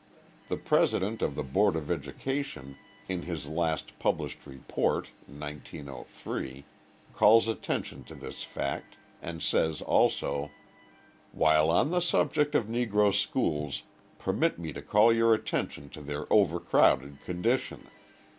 The president of the board of education in his last published report (1903) calls attention to this fact, and says also: While on the subject of Negro schools, permit me to call your attention to their overcrowded condition.